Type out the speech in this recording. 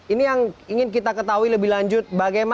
ini yang ingin kita ketahui lebih lanjut